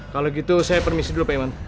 kalo gitu saya permisi dulu pak iman